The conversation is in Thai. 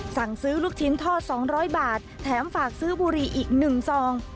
สั่งซื้อลูกชิ้นทอด๒๐๐บาทแถมฝากซื้อบุรีอีก๑ซอง